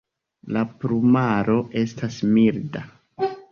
La plumaro estas milda.